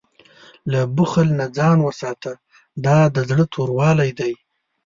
له بخل نه ځان وساته، دا د زړه توروالی دی.